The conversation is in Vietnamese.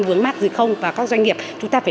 vướng mắt gì không và các doanh nghiệp chúng ta phải